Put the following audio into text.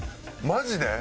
マジで？